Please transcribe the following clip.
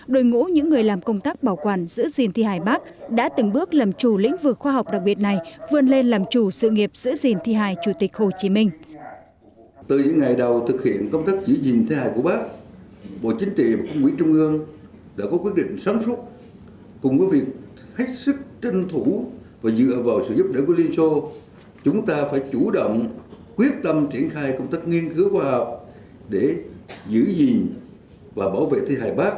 đội ngũ những người làm công tác bảo quản giữ gìn thi hài bác đã từng bước làm chủ lĩnh vực khoa học đặc biệt này vươn lên làm chủ sự nghiệp giữ gìn thi hài chủ tịch hồ chí minh